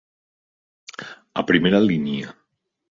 A primera línia.